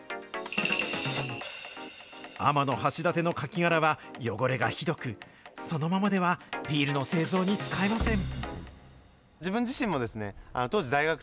天橋立のカキ殻は汚れがひどく、そのままではビールの製造に使えません。